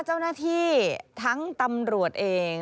เจ้าหน้าที่ทั้งตำรวจเอง